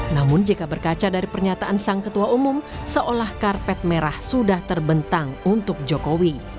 namun jika berkaca dari pernyataan sang ketua umum seolah karpet merah sudah terbentang untuk jokowi